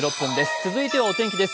続いてはお天気です。